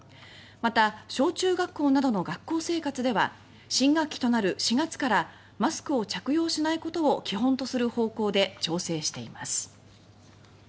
また、小中学校などの学校生活では新学期となる４月からマスクを着用しないことを基本とする方向で調整しています。